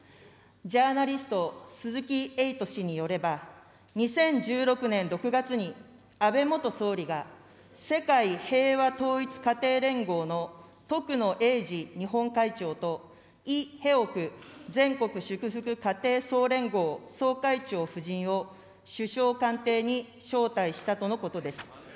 ジャーナリスト、鈴木エイト氏によれば、２０１６年６月に、安倍元総理が、世界平和統一家庭連合の徳野英治日本会長と、イ・ヘオク全国祝福家庭総連合総会長夫人を首相官邸に招待したとのことです。